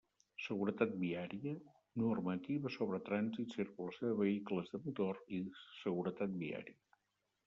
Seguretat viaria: normativa sobre trànsit, circulació de vehicles de motor i seguretat viaria.